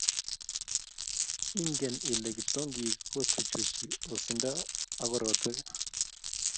Ingen ile kipsongik kochuchuchi osindo ak korotwek?